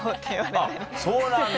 あっそうなんだ。